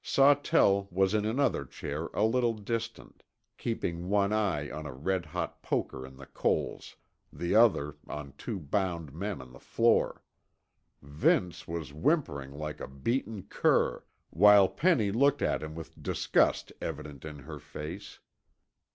Sawtell was in another chair a little distant, keeping one eye on a red hot poker in the coals, the other on two bound men on the floor. Vince was whimpering like a beaten cur, while Penny looked at him with disgust evident in her face.